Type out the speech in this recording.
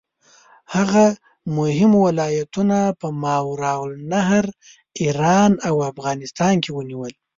هغه مهم ولایتونه په ماوراالنهر، ایران او افغانستان کې ونیول.